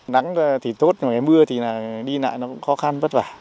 nắng thì tốt ngày mưa thì đi lại nó cũng khó khăn vất vả